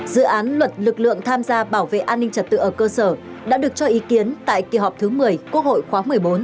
dự án luật lực lượng tham gia bảo vệ an ninh trật tự ở cơ sở đã được cho ý kiến tại kỳ họp thứ một mươi quốc hội khóa một mươi bốn